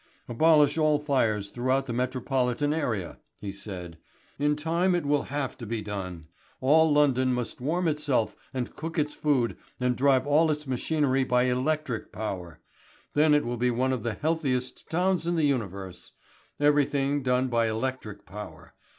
"Abolish all fires throughout the Metropolitan area," he said. "In time it will have to be done. All London must warm itself and cook its food and drive all its machinery by electric power. Then it will be one of the healthiest towns in the universe. Everything done by electric power.